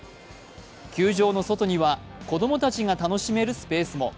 球場の外には、子供たちが楽しめるスペースも。